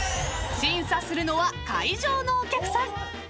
［審査するのは会場のお客さん］